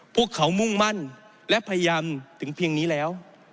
พวกเขามุ่งมั่นและพยายามถึงเพียงนี้แล้ว